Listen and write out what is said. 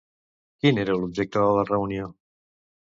Quin era l'objecte de la reunió?